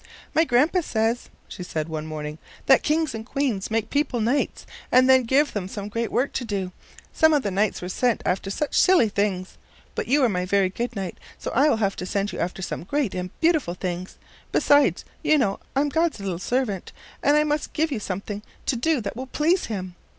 "My Grandpa says," she said, one morning, "that kings and queens make people knights and then give them some great work to do. Some of the knights were sent after such silly things, but you are my very good knight, so I will have to send you after some great and beautiful thing. Besides, you know, I'm God's little servant, and I must give you something to do that will please him.